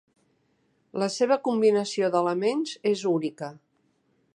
La seva combinació d'elements és única.